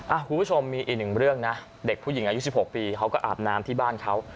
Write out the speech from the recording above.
คุณผู้ชมมีอีกหนึ่งเรื่องนะเด็กผู้หญิงอายุ๑๖ปีเขาก็อาบน้ำที่บ้านเขา